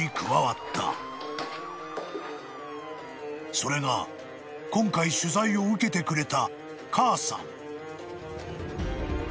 ［それが今回取材を受けてくれた］